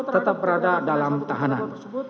tetap berada dalam tahanan